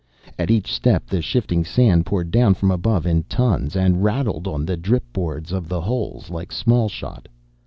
At each step the shifting sand poured down from above in tons, and rattled on the drip boards of the holes like small shot.